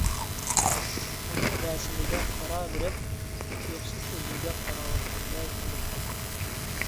ئۇنىڭ رەسىمىگە قاراۋېرىپ تۇيۇقسىز ئۆزۈمگە قاراۋاتقاندەك بولۇپ قالدىم.